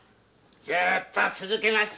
ずっと続けます。